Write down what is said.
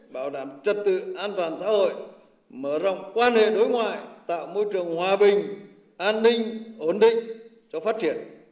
bảo đảm trật tự an toàn xã hội mở rộng quan hệ đối ngoại tạo môi trường hòa bình an ninh ổn định cho phát triển